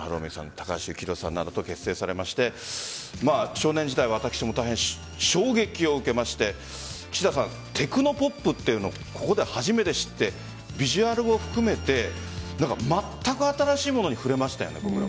高橋幸宏さんなどと結成されまして少年時代私も大変、衝撃を受けましてテクノポップっていうのをここで初めて知ってビジュアルも含めてまったく新しいものに触れましたよね。